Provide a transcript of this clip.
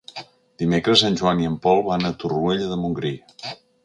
Dimecres en Joan i en Pol van a Torroella de Montgrí.